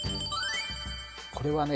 これはね